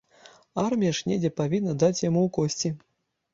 Армія ж недзе павінна даць яму ў косці.